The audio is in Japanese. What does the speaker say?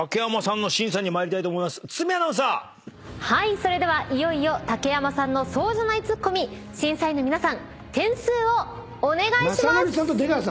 それではいよいよ竹山さんのそうじゃないツッコミ審査員の皆さん点数をお願いします。